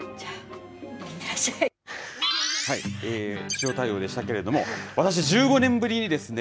塩対応でしたけれども私、１５年ぶりにですね